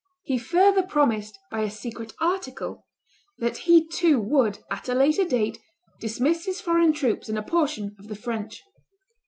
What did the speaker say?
He further promised, by a secret article, that he too would at a later date dismiss his foreign troops and a portion of the French.